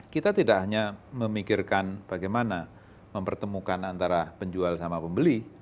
kita tidak hanya memikirkan bagaimana mempertemukan antara penjual sama pembeli